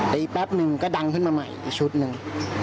อีกแป๊บนึงก็ดังขึ้นมาใหม่อีกชุดหนึ่ง